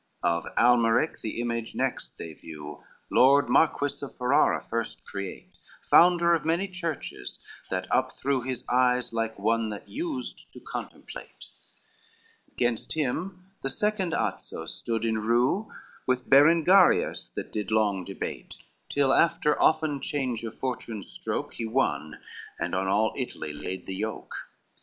LXXV Of Almeric the image next they view, Lord Marquis of Ferrara first create, Founder of many churches, that upthrew His eyes, like one that used to contemplate; Gainst him the second Azzo stood in rew, With Berengarius that did long debate, Till after often change of fortune stroke, He won, and on all Italy laid the yoke.